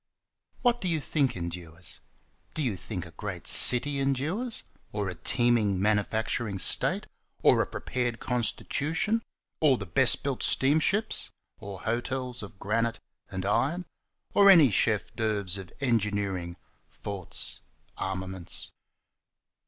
What do you think endures? Do you think a great city endures? Or a teeming manufacturing state? or a prepared constitution? or the best built steamships? Or hotels of granite and iron? or any chef d'oeuvres of engineering, forts, armaments?